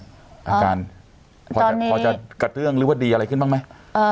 อาการพอจะกระเตื้องหรือว่าดีอะไรขึ้นบ้างไหม